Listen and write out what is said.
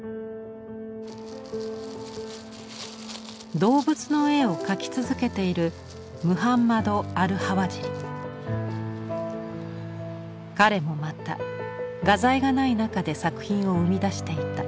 動物の絵を描き続けている彼もまた画材がない中で作品を生み出していた。